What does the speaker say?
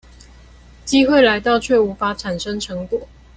機會來到卻無法產生成果